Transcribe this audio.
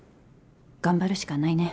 頑張るしかないね。